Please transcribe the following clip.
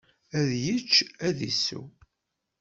Ad yečč, ad isew.